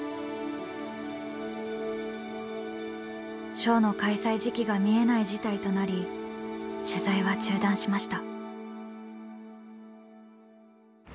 ショーの開催時期が見えない事態となり取材は中断しました。